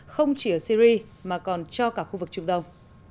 không chỉ ở syri mà còn cho cả khu vực trung đông